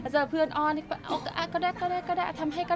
เจอเพื่อนอ้อนอ่ะก็ได้ทำให้ก็ได้อะไรอย่างนี้ค่ะ